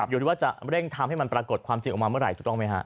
อยู่ที่ว่าจะเร่งทำให้มันปรากฏความจริงออกมาเมื่อไหร่ถูกต้องไหมฮะ